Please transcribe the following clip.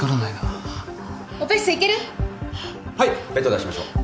ベッド出しましょう。